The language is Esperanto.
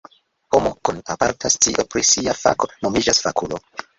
Homo kun aparta scio pri sia fako nomiĝas fakulo.